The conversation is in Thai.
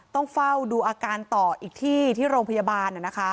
ต้องเฝ้าดูอาการต่ออีกที่ที่โรงพยาบาล